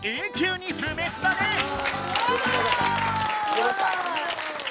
よかった。